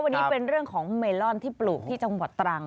วันนี้เป็นเรื่องของเมลอนที่ปลูกที่จังหวัดตรัง